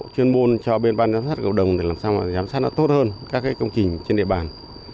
chuyên môn cho bên ban giám sát cộng đồng để làm sao mà giám sát nó tốt hơn các công trình trên địa bàn